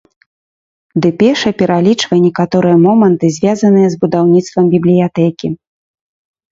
Дэпеша пералічвае некаторыя моманты, звязаныя з будаўніцтвам бібліятэкі.